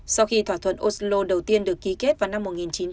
sau khi thỏa thuận oslo đầu tiên được ký kết vào năm một nghìn chín trăm chín mươi ba